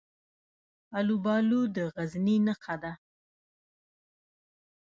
الوبالو د غزني نښه ده.